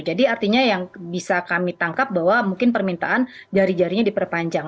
jadi artinya yang bisa kami tangkap bahwa mungkin permintaan jari jarinya diperpanjang